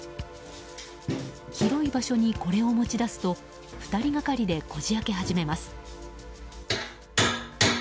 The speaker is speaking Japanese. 広い場所にこれを持ち出すと２人がかりでこじ開け始めます。